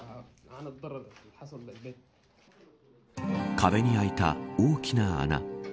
壁に開いた大きな穴。